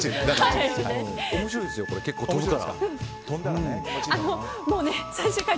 面白いですよ、これ結構飛ぶから。